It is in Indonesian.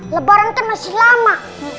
lebaran kan masih lama